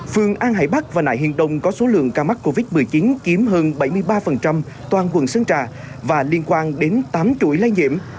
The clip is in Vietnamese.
phường an hải bắc và nại hiền đông có số lượng ca mắc covid một mươi chín kiếm hơn bảy mươi ba toàn quận sơn trà và liên quan đến tám chuỗi lây nhiễm